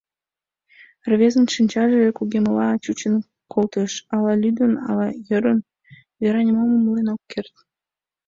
Рвезын шинчаже кугеммыла чучын колтыш: ала лӱдын, ала ӧрын, Вера нимом умылен ок керт.